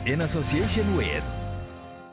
insider suite badan pengkajian dan penerapan teknologi